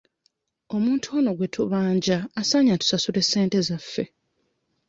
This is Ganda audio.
Omuntu ono gwe tubanja asaanye atusasule ssente zaffe.